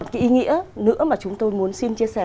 một cái ý nghĩa nữa mà chúng tôi muốn xin chia sẻ